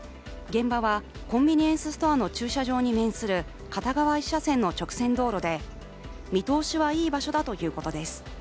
現場はコンビニエンスストアの駐車場に面する片側１車線の直線道路で見通しはいい場所だということです。